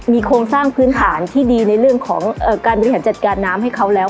มีโครงสร้างพื้นฐานที่ดีในเรื่องของการบริหารจัดการน้ำให้เขาแล้ว